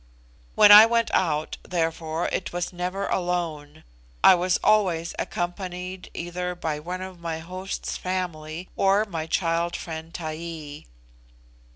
When I went out, therefore, it was never alone; I was always accompanied either by one of my host's family, or my child friend Taee.